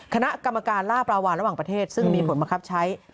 คณะกรรมการล่าปลาวานระหว่างประเทศซึ่งมีผลบังคับใช้